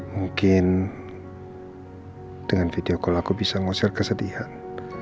mungkin dengan video call aku bisa ngosir kesedihan